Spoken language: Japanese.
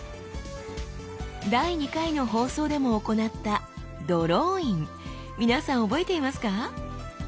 第２回の放送でも行ったドローイン皆さん覚えていますか？